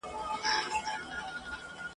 ګوزاره دي په دې لږو پیسو کیږي؟ !.